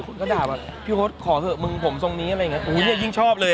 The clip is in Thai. คนก็ด่ามันพี่โครตขอเถอะผมส่องนี้ยิ่งชอบเลย